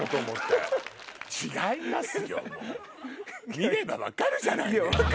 見れば分かるじゃないですか。